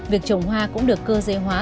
việc trồng hoa cũng được cơ dễ hóa